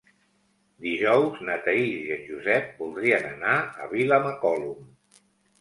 Dijous na Thaís i en Josep voldrien anar a Vilamacolum.